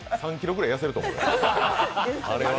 ３ｋｇぐらい痩せると思うよ。